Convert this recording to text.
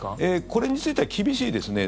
これについては厳しいですね。